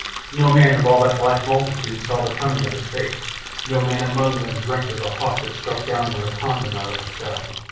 No man of all that black multitude saw the coming of his fate, no man among them dreamt of the hawk that struck downward upon him out of the sky.